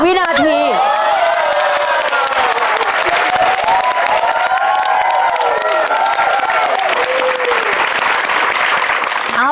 ครอบครับ